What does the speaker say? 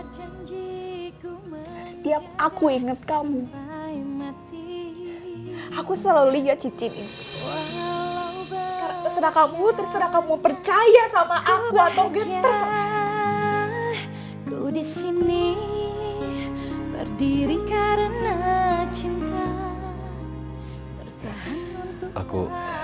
sekarang terserah kamu terserah kamu percaya sama aku atau genter sama aku